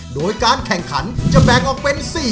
โดยการแข่งขาวของทีมเด็กเสียงดีจำนวนสองทีม